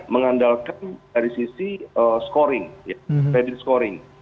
mengandalkan dari sisi scoring ya trading scoring